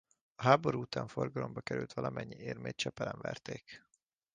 A háború után forgalomba került valamennyi érmét Csepelen verték.